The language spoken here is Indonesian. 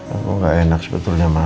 aku gak enak sebetulnya mas